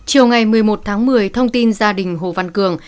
chiều ngày một mươi một tháng một mươi thông tin gia đình hồ văn cường